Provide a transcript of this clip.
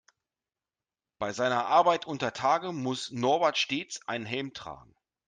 Bei seiner Arbeit untertage muss Norbert stets einen Helm tragen.